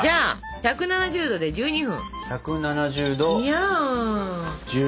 １７０℃１２分！